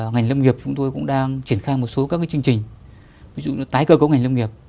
ngành lâm nghiệp chúng tôi cũng đang triển khai một số các chương trình ví dụ như tái cơ cấu ngành lâm nghiệp